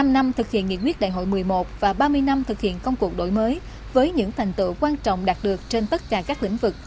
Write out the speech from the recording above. một mươi năm năm thực hiện nghị quyết đại hội một mươi một và ba mươi năm thực hiện công cuộc đổi mới với những thành tựu quan trọng đạt được trên tất cả các lĩnh vực